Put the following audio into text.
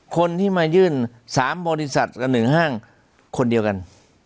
คนที่มายื่น๓บริษัทกับ๑ห้างคนเดียวกัน